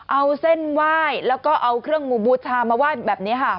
เอาเส้นไหว้แล้วก็เอาเครื่องมือบูชามาไหว้แบบนี้ค่ะ